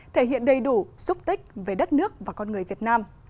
thể hiện đầy đủ xúc tích về đất nước và con người việt nam